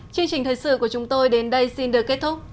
chương trình thời sự của chúng tôi đến đây xin được kết thúc